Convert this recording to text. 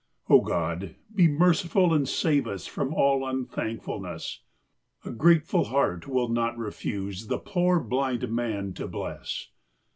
. Oh, God, be merciful and save Us from all un thank fulness ! A grateful heart will not refuse The poor blind man to bless.